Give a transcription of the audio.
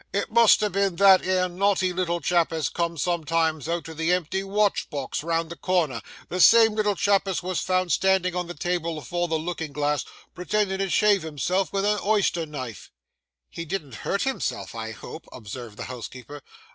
It must ha' been that 'ere naughty little chap as comes sometimes out o' the empty watch box round the corner,—that same little chap as wos found standing on the table afore the looking glass, pretending to shave himself vith a oyster knife.' 'He didn't hurt himself, I hope?' observed the housekeeper.